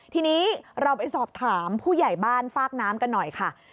ทีนี้เราไปสอบถามผู้ใหญ่บ้านฟากน้ำกันหน่อยค่ะ